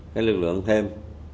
cái lực lượng thêm